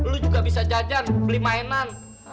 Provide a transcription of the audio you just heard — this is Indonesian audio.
lu juga bisa jajan beli mainan